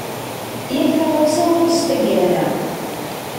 Yal taɣawsa ɣur-s taggara.